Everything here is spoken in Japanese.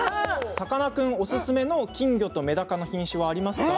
さかなクンおすすめの金魚とめだかの品種はありますか？